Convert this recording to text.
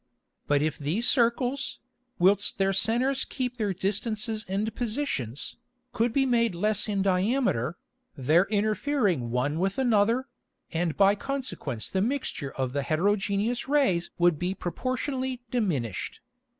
But if these Circles, whilst their Centers keep their Distances and Positions, could be made less in Diameter, their interfering one with another, and by Consequence the Mixture of the heterogeneous Rays would be proportionally diminish'd.